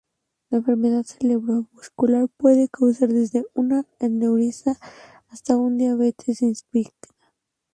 La enfermedad cerebrovascular puede causar desde una aneurisma hasta una diabetes insípida.